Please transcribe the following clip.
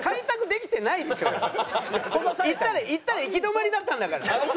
行ったら行き止まりだったんだから。